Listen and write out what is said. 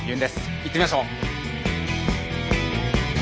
行ってみましょう。